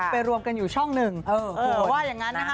ไปรวมกันอยู่ช่องนึง